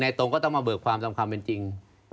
ตรงก็ต้องมาเบิกความตามความเป็นจริง